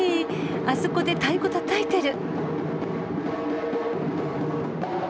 あそこで太鼓たたいてる。